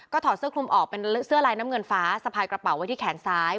ถอดเสื้อคลุมออกเป็นเสื้อลายน้ำเงินฟ้าสะพายกระเป๋าไว้ที่แขนซ้าย